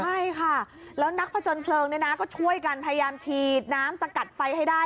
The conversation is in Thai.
ใช่ค่ะแล้วนักผจญเพลิงเนี่ยนะก็ช่วยกันพยายามฉีดน้ำสกัดไฟให้ได้